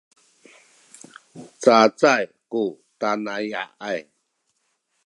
cacay ku tanaya’ay